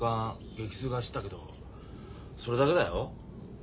激痛が走ったけどそれだけだよ。